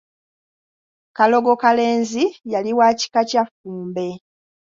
Kalogokalenzi yali wa kika kya Ffumbe.